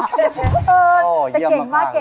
เยี่ยมมาก